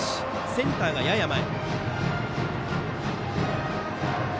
センターがやや前。